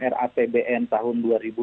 rapbn tahun dua ribu dua puluh